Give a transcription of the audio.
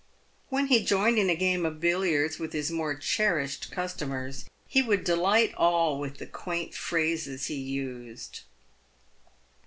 When he joined in a game of billiards with his more cherished customers, be would delight all with the quaint phrases he used.